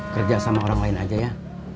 kerja sama orang lain aja ya